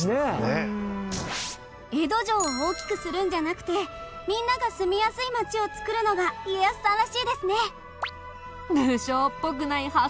江戸城を大きくするんじゃなくてみんなが住みやすい町をつくるのが家康さんらしいですね。